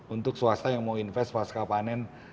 untuk swasta yang mau invest pasca panen